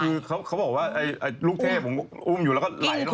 คือเขาบอกว่าลูกเทพผมก็อุ้มอยู่แล้วก็ไหลลง